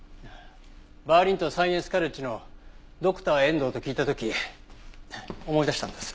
バーリントン・サイエンス・カレッジのドクター遠藤って聞いた時思い出したんです。